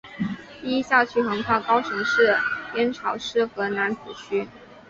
第一校区横跨高雄市燕巢区与楠梓区。